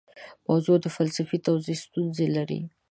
موضوع فلسفي توضیح ستونزې لري.